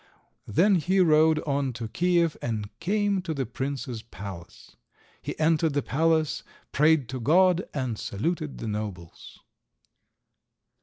Then he rode on to Kiev and came to the prince's palace. He entered the palace, prayed to God, and saluted the nobles.